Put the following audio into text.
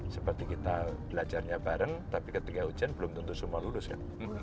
seperti kita belajarnya bareng tapi ketika hujan belum tentu semua lulus kan